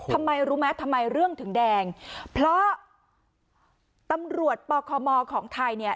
ทำไมรู้ไหมทำไมเรื่องถึงแดงเพราะตำรวจปคมของไทยเนี่ย